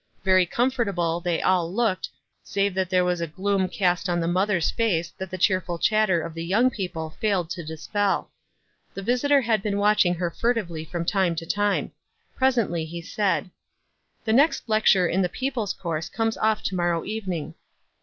Very comfortable they all looked, save that there was a gloom cast on the mother's face that the cheerful shatter of the young people failed to dispel. The visitor had been watching her furtively from time to time. Presently he said, — "The next lecture in the f People's Course' comes off to morrow evening."